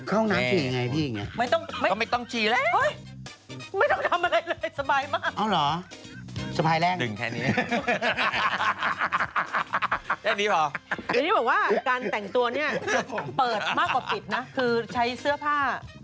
เข้าหน้าเฉยเองกันยังไงแฟ้กา